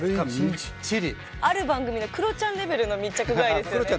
ある番組のクロちゃんレベルの密着具合ですよね。